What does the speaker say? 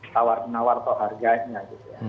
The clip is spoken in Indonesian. tawar menawar atau harganya gitu ya